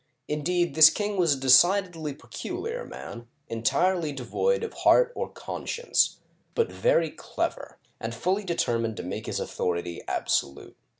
Indeed, this king was a decidedly peculiar man, entirely devoid of heart or conscience, but very clever, and fully determined to make his authority Digitized by VjOOQIC 202 OLD FRANCE absolute.